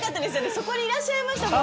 そこにいらっしゃいましたもん。